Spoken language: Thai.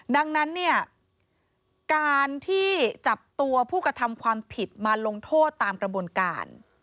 ดังนั้นเนี่ยการที่จับตัวผู้กระทำความผิดมาลงโทษตามกระบวนการ